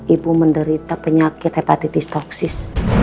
ibu menderita penyakit hepatitis toksis